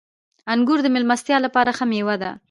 • انګور د میلمستیا لپاره ښه مېوه ده.